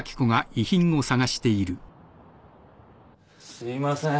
すいません。